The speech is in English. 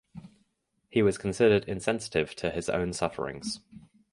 He was considered insensitive to his own sufferings.